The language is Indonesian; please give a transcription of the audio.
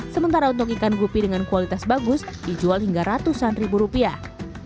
sementara untuk ikan gupi dengan kualitas bagus dijual hingga ratusan ribu rupiah